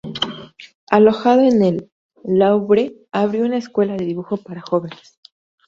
Alojado en el Louvre abrió una escuela de dibujo para jóvenes.